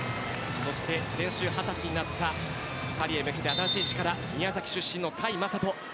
そして、先週二十歳になったパリへ向けて新しい力宮崎出身の甲斐優斗。